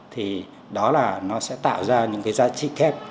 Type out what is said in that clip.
thì đó là nó sẽ tạo ra những cái giá trị kép